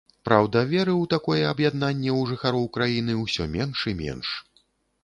Праўда, веры ў такое аб'яднанне ў жыхароў краіны ўсё менш і менш.